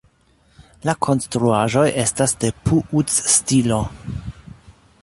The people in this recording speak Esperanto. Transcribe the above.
La konstruaĵoj estas de Puuc-stilo.